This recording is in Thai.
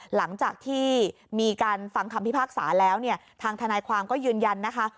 หลังจากที่มีการฟังคำพิพากษาแล้วเนี่ยทางทนายความก็ยืนยันนะคะ